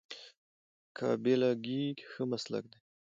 قابله ګي ښه مسلک دی